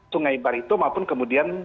sungai baritum maupun kemudian